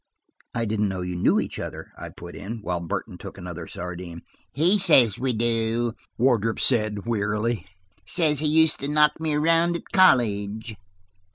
"I didn't know you knew each other," I put in, while Burton took another sardine. "He says we do," Wardrop said wearily; "says he used to knock me around at college."